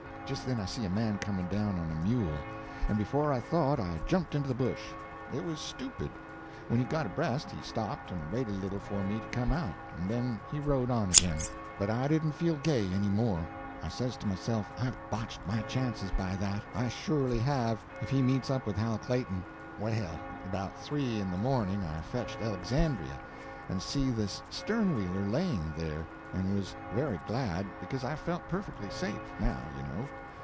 "Just then I see a man coming down on a mule, and before I thought I jumped into the bush. It was stupid! When he got abreast he stopped and waited a little for me to come out; then he rode on again. But I didn't feel gay any more. I says to myself I've botched my chances by that; I surely have, if he meets up with Hal Clayton. "Well, about three in the morning I fetched Elexandria and see this stern wheeler laying there, and was very glad, because I felt perfectly safe, now, you know.